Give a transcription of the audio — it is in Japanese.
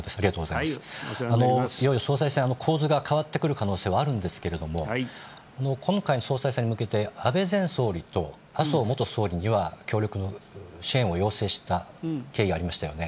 いよいよ総裁選、構図が変わってくる可能性はあるんですけれども、今回の総裁選に向けて、安倍前総理と麻生元総理には協力の支援を要請した経緯がありましたよね。